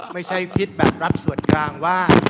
ไม่ใช่คิดแบบรับส่วนกลางว่า